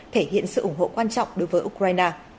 thể hiện sự ủng hộ quan trọng đối với ukraine